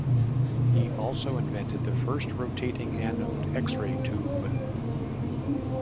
He also invented the first rotating anode X-ray tube.